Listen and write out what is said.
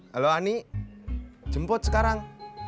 halo ani jemput sekarang